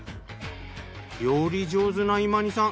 料理上手なイマニさん